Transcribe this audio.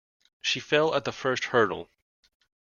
She fell at the first hurdle.